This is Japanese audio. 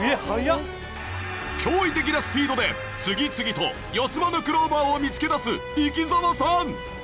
驚異的なスピードで次々と四つ葉のクローバーを見つけ出す生澤さん